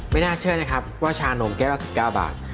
ไม่น่าเชื่อว่าชานม๙๙บาท